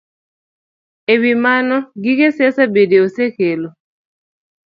E wi mano, gige siasa bende osekelo